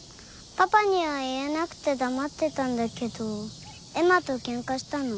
パパには言えなくて黙ってたんだけどエマと喧嘩したの。